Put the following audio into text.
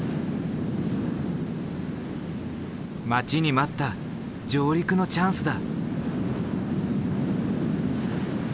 待ちに待った上陸のチャンスだ。